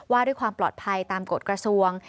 ว่าด้วยความปลอดภัยตามกฎกระทรวง